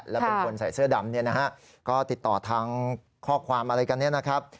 แล้วเป็นคนใส่เสื้อดำเนี่ยนะฮะก็ติดต่อทางข้อความอะไรกันเนี่ยนะครับ